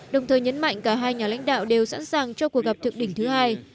đồng thời nhấn mạnh cả hai nhà lãnh đạo đều sẵn sàng cho cuộc gặp thượng đỉnh thứ hai